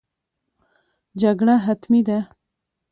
جګړه حتمي ده.